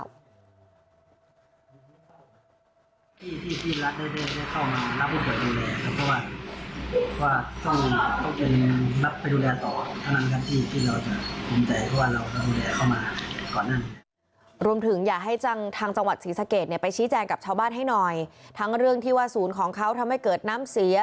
รวมถึงอยากให้ทางจังหวัดศรีสะเกดเนี่ยไปชี้แจงกับชาวบ้านให้หน่อยทั้งเรื่องที่ว่าศูนย์ของเขาทำให้เกิดน้ำเสีย